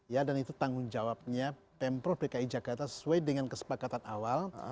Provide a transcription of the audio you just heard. ya dan itu tanggung jawabnya pemprov dki jakarta sesuai dengan kesepakatan awal